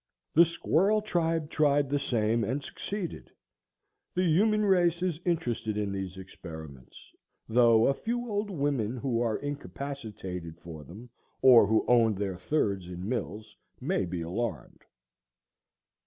The squirrel tribe tried the same and succeeded. The human race is interested in these experiments, though a few old women who are incapacitated for them, or who own their thirds in mills, may be alarmed.